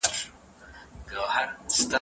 هغه سړی تل خپلي خبري په پوره رښتینولۍ سره کوی.